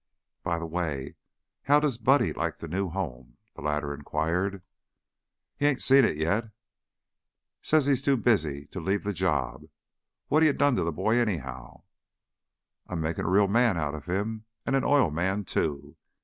"By the way, how does Buddy like the new home?" the latter inquired. "He 'ain't seen it yet. Says he's too busy to leave the job. What you done to that boy, anyhow?" "I'm making a real man out of him and an oil man, too.